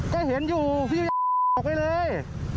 ก็เห็นอยู่พี่ออกไปเลย